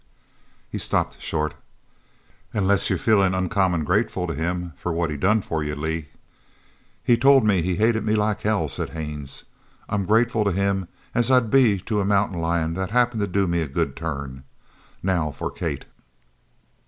He stopped short. "Unless you're feelin' uncommon grateful to him for what he done for you, Lee?" "He told me he hated me like hell," said Haines. "I'm grateful to him as I'd be to a mountain lion that happened to do me a good turn. Now for Kate!"